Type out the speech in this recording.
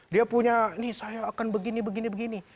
dia punya nih saya akan begini begini